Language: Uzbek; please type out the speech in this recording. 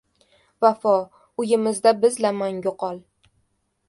Vafo, uyimizda biz-la mangu qol.